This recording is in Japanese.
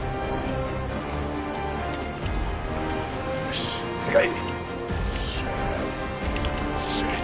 よしこい！